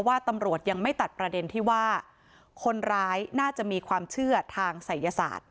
ว่าตำรวจยังไม่ตัดประเด็นที่ว่าคนร้ายน่าจะมีความเชื่อทางศัยศาสตร์